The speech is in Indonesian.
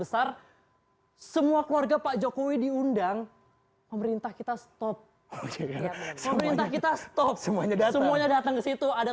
semua keluarga pak jokowi diundang pemerintah kita stop kita stop semuanya datang ke situ ada